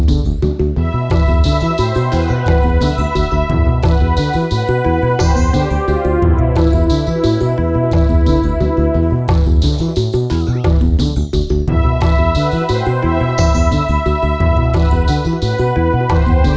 di depan ada deket